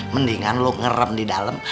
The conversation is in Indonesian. mendingan lu ngerem di dalem